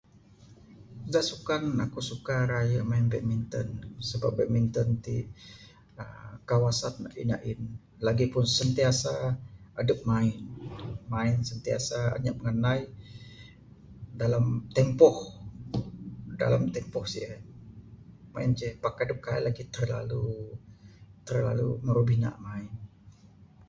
Da sukan aku suka raye main badminton. Sebab badminton ti uhh kawasan neg inya ain, lagipun sentiasa adep main main sentiasa anyap nganai dalam tempoh tempoh sien. Sien ce pak kaik lagih adep terlalu Maru bina main